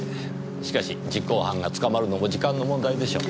しかし実行犯が捕まるのも時間の問題でしょう。